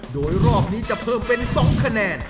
โดยรอบนี้จะเพิ่มเป็น๒คะแนน